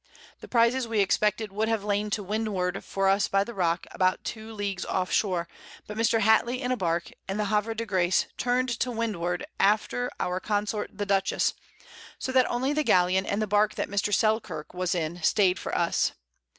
The Prizes we expected would have lain to Windward for us by the Rock, about 2 Leagues off Shore; but Mr. Hatley in a Bark, and the Havre de Grace, turn'd to Windward after our Consort the Dutchess; so that only the Galleon and the Bark that Mr. Selkirk was in staid for us.